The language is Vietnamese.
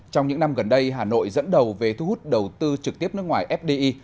trong những năm gần đây hà nội dẫn đầu về thu hút đầu tư trực tiếp nước ngoài fdi